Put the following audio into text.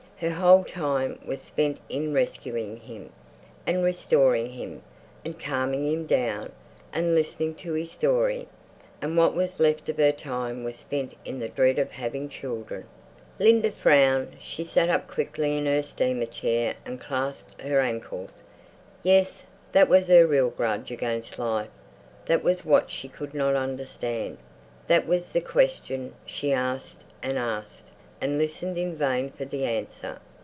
Her whole time was spent in rescuing him, and restoring him, and calming him down, and listening to his story. And what was left of her time was spent in the dread of having children. Linda frowned; she sat up quickly in her steamer chair and clasped her ankles. Yes, that was her real grudge against life; that was what she could not understand. That was the question she asked and asked, and listened in vain for the answer.